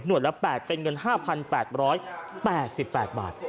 หน่วยละ๘เป็นเงิน๕๘๘๘บาท